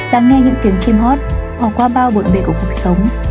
đang nghe những tiếng chim hót họ qua bao buộn bề của cuộc sống